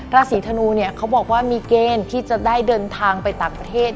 ราศีธนูเนี่ยเขาบอกว่ามีเกณฑ์ที่จะได้เดินทางไปต่างประเทศ